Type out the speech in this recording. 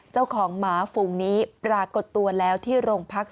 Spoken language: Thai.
เจ้าของหมาฝูงนี้ปรากฏตัวแล้วที่โรงพัก